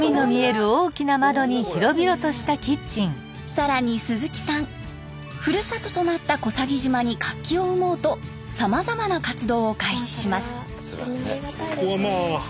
更に鈴木さんふるさととなった小佐木島に活気を生もうとさまざまな活動を開始します。